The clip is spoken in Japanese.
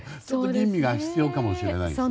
吟味が必要かもしれませんね。